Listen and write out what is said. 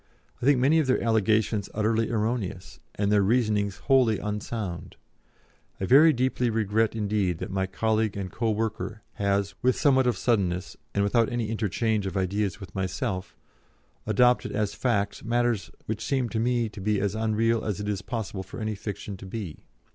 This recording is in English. I think many of their allegations utterly erroneous, and their reasonings wholly unsound. I very deeply regret indeed that my colleague and co worker has, with somewhat of suddenness, and without any interchange of ideas with myself, adopted as facts matters which seem to me to be as unreal as it is possible for any fiction to be.